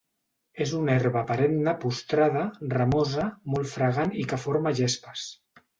És una herba perenne postrada, ramosa, molt fragant i que forma gespes.